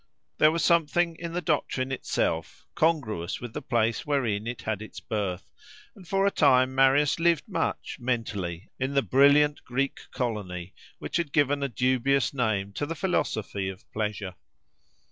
There was something in the doctrine itself congruous with the place wherein it had its birth; and for a time Marius lived much, mentally, in the brilliant Greek colony which had given a dubious name to the philosophy of pleasure.